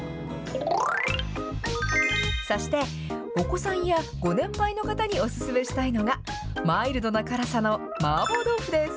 そして、お子さんやご年配の方にお勧めしたいのが、マイルドな辛さのマーボー豆腐です。